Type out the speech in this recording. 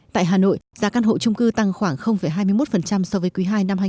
tại hà nội giá căn hộ chung cư tăng khoảng hai mươi một so với quý ii năm hai nghìn một mươi chín